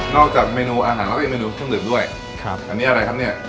นอกจากเมนูอาหารแล้วก็ยิ่งเมนูซึ่งด้วยครับอันนี้